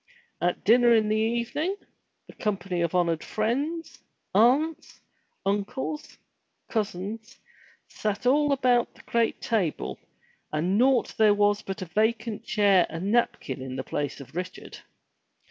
At dinner in the evening, the com pany of honored friends, aunts, uncles, cousins, sat all about the great table and naught there was but a vacant chair and napkin in place of Richard.